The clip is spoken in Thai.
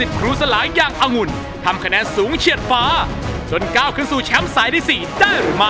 ถ้าถามว่ากลัวพี่สีไหม